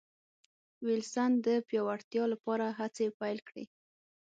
وېلسن د پیاوړتیا لپاره هڅې پیل کړې.